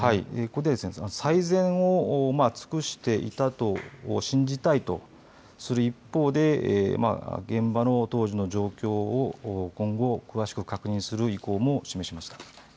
ここで最善を尽くしていたと信じたいとする一方で現場の当時の状況を今後、詳しく確認する意向も示しました。